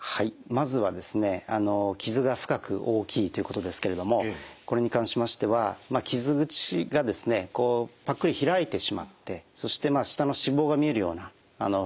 まずは「傷が深く大きい」ということですけれどもこれに関しましては傷口がこうパックリ開いてしまってそして下の脂肪が見えるような深い傷の場合。